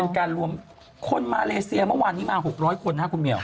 เป็นการรวมคนมาเลเซียเมื่อวานนี้มา๖๐๐คน๕คุณเมียว